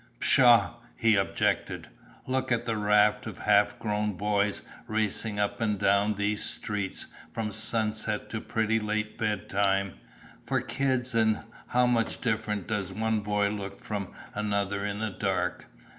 "Pshaw!" he objected, "look at the raff of half grown boys racing up and down these streets from sunset to pretty late bedtime, for kids, and how much different does one boy look from another in the dark?